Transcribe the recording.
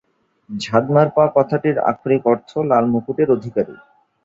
ঝ্বা-দ্মার-পা কথাটির আক্ষরিক অর্থ লাল মুকুটের অধিকারী।